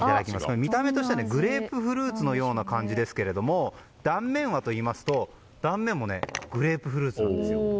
見た目としてはグレープフルーツのような感じですが断面はといいますと断面もグレープフルーツなんです。